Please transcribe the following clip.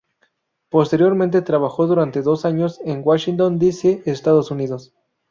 Posteriormente, trabajó durante dos años en Washington D. C., Estados Unidos.